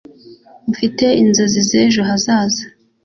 mfite inzozi z'ejo hazaza